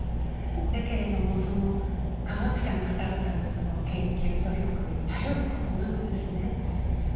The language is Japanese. だけれども科学者の方々の研究努力に頼ることなくですね